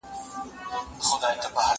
کېدای شي اوبه سړې وي!!